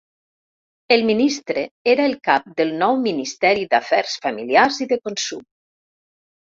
El ministre era el cap del nou Ministeri d'Afers Familiars i de Consum.